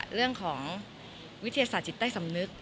เรื่องของวิทยาศาสตร์จิตใต้สำนึก